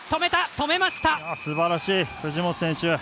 すばらしい藤本選手。